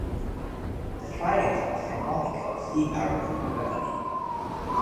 The tridents are symbolic of sea power and weaponry.